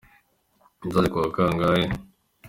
Nzaze ku wa kangahe?